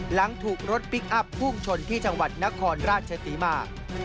หลังถูกรถพลิกอัพพุ่งชนที่จังหวัดนครราชศรีมา